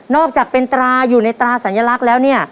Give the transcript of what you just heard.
อกจากเป็นตราอยู่ในตราสัญลักษณ์แล้วเนี่ย